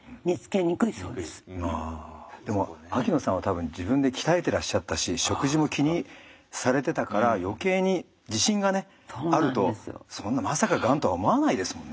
でも秋野さんは多分自分で鍛えてらっしゃったし食事も気にされてたから余計に自信があるとそんなまさかがんとは思わないですもんね。